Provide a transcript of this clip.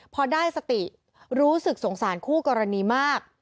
พอได้สติรู้สึกสงสารคู่กรณีมาก